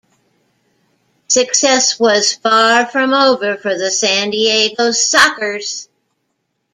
Success was far from over for the San Diego Sockers.